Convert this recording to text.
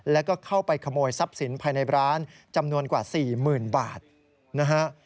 แล้วก็เข้าไปขโมยทรัพย์สินภายในร้านจำนวนกว่า๔๐๐๐บาทนะฮะ